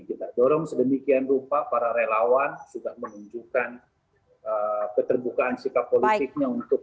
kita dorong sedemikian rupa para relawan sudah menunjukkan keterbukaan sikap politiknya untuk